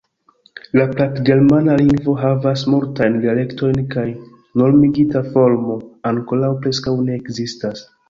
La platgermana lingvo havas multajn dialektojn kaj normigita formo ankoraŭ preskaŭ ne ekzistas.